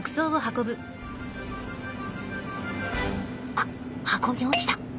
あっ箱に落ちた。